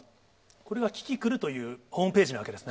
これはキキクルというホームページなわけですね。